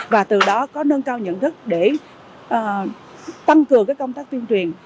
và từ đó có nâng cao nhận thức để tăng cường công tác tuyên truyền